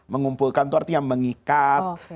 mengumpulkan itu artinya mengikat